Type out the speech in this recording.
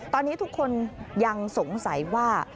ตอนนี้ทุกคนยังสงสัยว่า